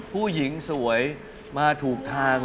ผู้หญิงสวยมาถูกทาง